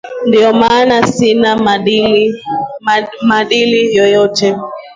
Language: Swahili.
Ndio maana sina medali yoyote